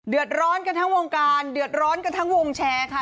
เดือดร้อนกันทั้งวงการเดือดร้อนกันทั้งวงแชร์ค่ะ